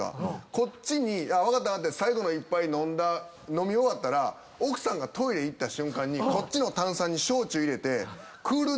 こっちに分かった分かったって最後の１杯飲み終わったら奥さんがトイレ行った瞬間にこっちの炭酸に焼酎入れて。